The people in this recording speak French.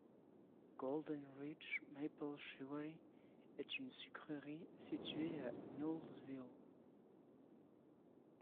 Golden Ridge Maple Sugary est une sucrerie située à Knowlesville.